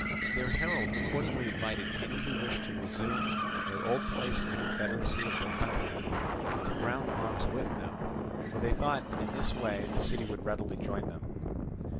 Their herald accordingly invited any who wished to resume their old place in the confederacy of their countrymen to ground arms with them, for they thought that in this way the city would readily join them.